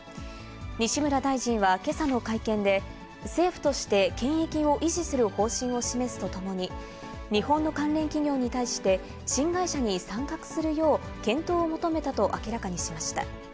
西村大臣はけさの会見で、政府として、権益を維持する方針を示すとともに、日本の関連企業に対して、新会社に参画するよう、検討を求めたと明らかにしました。